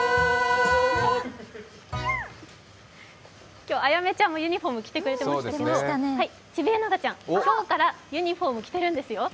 今日、あやめちゃんもユニフォーム、着てましたけどチビエナガちゃん、今日からユニフォームを着てるんですよ。